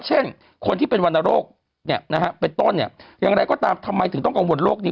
เช่นคนที่เป็นวรรณโรคเนี่ยนะฮะเป็นต้นเนี่ยอย่างไรก็ตามทำไมถึงต้องกังวลโรคนี้